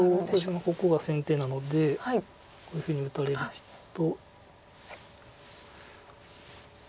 ここが先手なのでこういうふうに打たれると。